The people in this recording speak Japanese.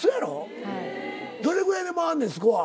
どれぐらいで回んねんスコア。